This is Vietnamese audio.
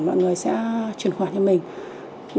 mọi người sẽ truyền khoản cho mình